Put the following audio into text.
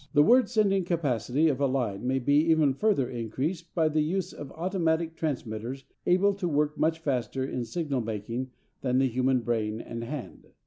The word sending capacity of a line may be even further increased by the use of automatic transmitters able to work much faster in signal making than the human brain and hand.